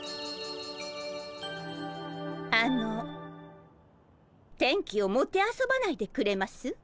あの天気をもてあそばないでくれます？